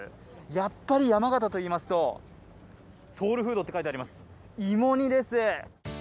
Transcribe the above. やっぱり山形といいますと、ソウルフードと書いてあります、芋煮です。